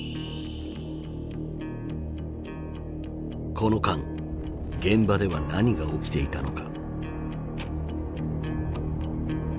この間現場では何が起きていたのか。